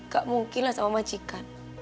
gak mungkin lah sama majikan